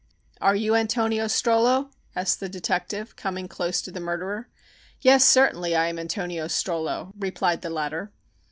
"Are you Antonio Strollo?" asked the detective, coming close to the murderer. "Yes, certainly, I am Antonio Strollo," replied the latter.